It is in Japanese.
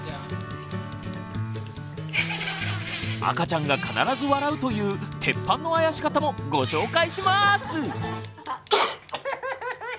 赤ちゃんが必ず笑うという鉄板のあやし方もご紹介します！